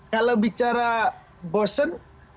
kalau bicara bosen